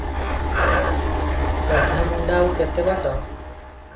ଅଧାମୁଣ୍ଡା ଆଉ କେତେ ବାଟ?